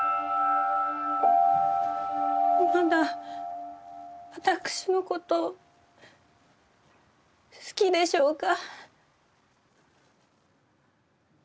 まだ私のことを好きでしょうか？